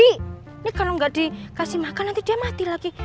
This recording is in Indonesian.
ini kalau nggak dikasih makan nanti dia mati lagi